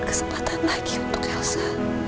tidak ada kesempatan lagi untuk elsa